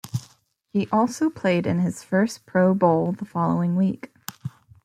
He also played in his first Pro Bowl the following week.